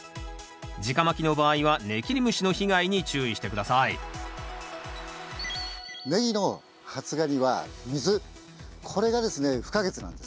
じかまきの場合はネキリムシの被害に注意して下さいネギの発芽には水これがですね不可欠なんです。